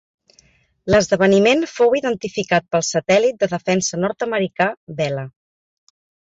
L'esdeveniment fou identificat pel satèl·lit de defensa nord-americà Vela.